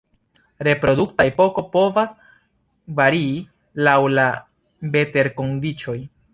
Reprodukta epoko povas varii laŭ la veterkondiĉoj.